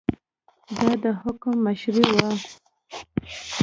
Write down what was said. دا د حکم مشري وه.